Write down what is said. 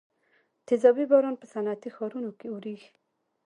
تیزابي باران په صنعتي ښارونو کې اوریږي.